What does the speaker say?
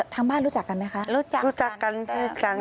อ๋อทางบ้านรู้จักกันไหมคะรู้จักกันแต่ไม่รู้จักกันมากรู้จักกัน